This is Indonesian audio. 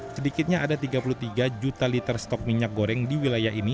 sedikitnya ada tiga puluh tiga juta liter stok minyak goreng di wilayah ini